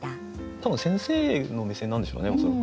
多分先生の目線なんでしょうね恐らく。